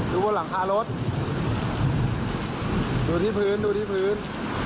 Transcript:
ดูบนหลังคารถดูที่พื้นดูที่พื้น